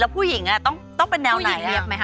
แล้วผู้หญิงต้องเป็นแนวไหน